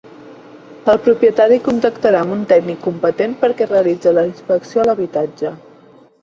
El propietari contactarà amb un tècnic competent perquè realitzi la inspecció a l'habitatge.